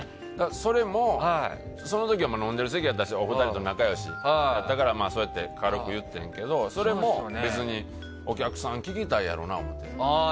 それもその時飲んでる席だったしお二人と仲良しやったから軽く言ってんけどそれも別にお客さん聴きたいやろなと思って。